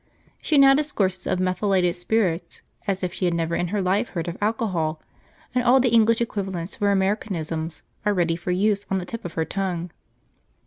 She now discourses of methylated spirits as if she had never in her life heard of alcohol, and all the English equivalents for Americanisms are ready for use on the tip of her tongue.